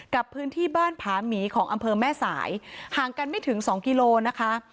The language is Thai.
กับพื้นที่บ้านผาหมีของอำเภอแม่สายห่างกันไม่ถึงสองกิโลนะคะ